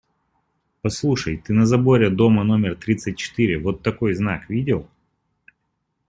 Послушай: ты на заборе дома номер тридцать четыре вот такой знак видел?